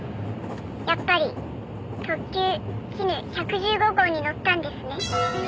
「やっぱり特急きぬ１１５号に乗ったんですね」